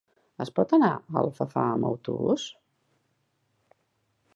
Es pot anar a Alfafar amb autobús?